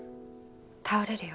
倒れるよ。